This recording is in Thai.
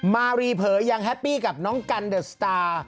มารีเผยยังแฮปปี้กับน้องกันเดอะสตาร์